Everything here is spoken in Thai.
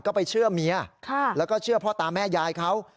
ก็ไปเชื่อเมียแล้วก็เชื่อพ่อตาแม่ยายเขา